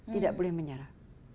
tidak boleh menyerah